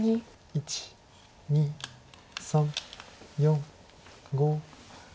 １２３４５６。